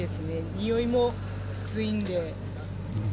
臭いもきついんで。